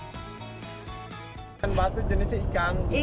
ikan batu jenisnya ikan